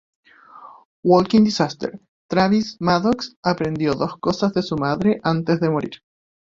Walking Disaster: Travis Maddox aprendió dos cosas de su madre antes de morir.